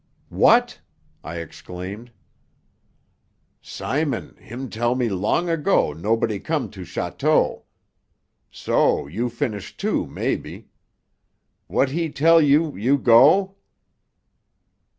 "What?" I exclaimed. "Simon, him tell me long ago nobody come to château. So you finish, too, maybe. What he tell you, you go?"